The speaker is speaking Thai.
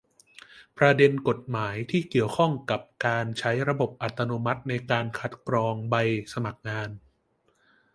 ประเด็นกฎหมายที่เกี่ยวข้องกับการใช้ระบบอัตโนมัติในการคัดกรองใบสมัครงาน